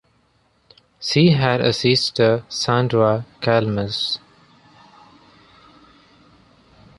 She had a sister Sandra Chalmers.